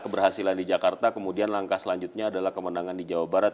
keberhasilan di jakarta kemudian langkah selanjutnya adalah kemenangan di jawa barat